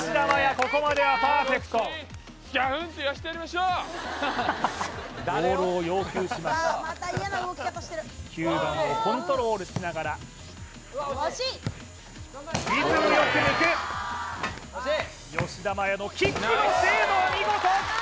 ここまではパーフェクトボールを要求しました９番をコントロールしながら惜しいリズムよく抜く・惜しい吉田麻也のキックの精度お見事！